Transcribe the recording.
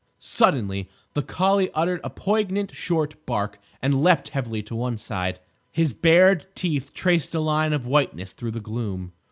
Suddenly the collie uttered a poignant short bark and leaped heavily to one side. His bared teeth traced a line of whiteness through the gloom.